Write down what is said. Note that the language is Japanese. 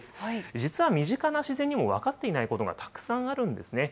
実は身近な自然にも分かっていないことがたくさんあるんですね。